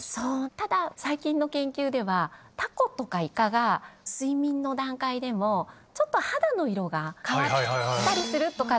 ただ最近の研究ではタコとかイカが睡眠の段階でもちょっと肌の色が変わったりするとかっていう。